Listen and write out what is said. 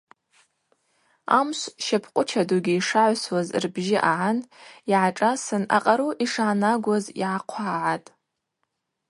Амшв щапӏкъвычадугьи йшагӏвсуаз рбжьы агӏан, йгӏашӏасын, акъару йшгӏанагуаз йгӏахъвагӏгӏатӏ:.